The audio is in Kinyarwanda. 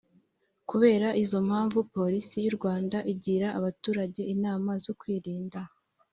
Kubera izo mpamvu porisi y u rwanda igira abaturage inama zo kwirinda